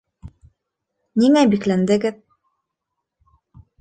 Ниңә бикләндегеҙ?